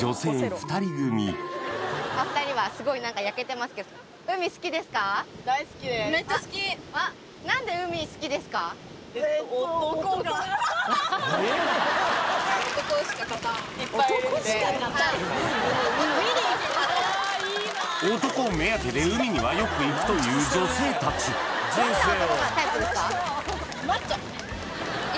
２人組見に行きますね男目当てで海にはよく行くという女性たちはい